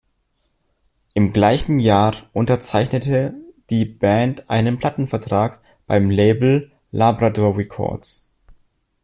Im gleichen Jahr unterzeichnete die Band einen Plattenvertrag beim Label Labrador Records.